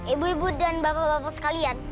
ibu ibu dan bapak bapak sekalian